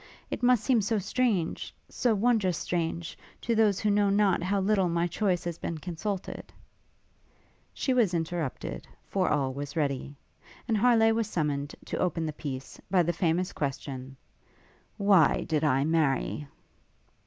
It must seem so strange so wond'rous strange, to those who know not how little my choice has been consulted ' She was interrupted, for all was ready; and Harleigh was summoned to open the piece, by the famous question, 'Why did I marry?'